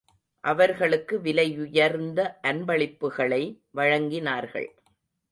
அவர்களுக்கு விலையுயர்ந்த அன்பளிப்புகளை வழங்கினார்கள்.